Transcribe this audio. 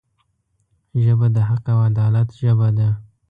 ژبه د حق او عدالت ژبه ده